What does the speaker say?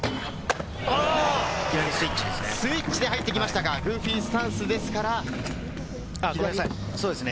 スイッチで入ってきました、グーフィースタンスですから。